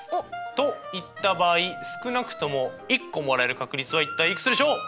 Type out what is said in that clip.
と言った場合少なくとも１個もらえる確率は一体いくつでしょう？